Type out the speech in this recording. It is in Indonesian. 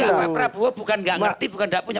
pak prabowo bukan gak ngerti bukan gak punya